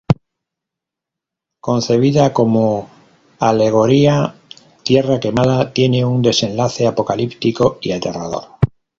Concebida como alegoría, "Tierra quemada" tiene un desenlace apocalíptico y aterrador.